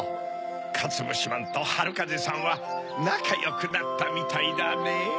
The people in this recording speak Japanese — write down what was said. かつぶしまんとはるかぜさんはなかよくなったみたいだねぇ。